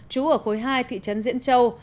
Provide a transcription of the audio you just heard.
chú ở khối hai thị trấn diễn châu